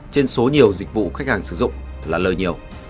trên số nhiều dịch vụ khách hàng sử dụng là lời nhiều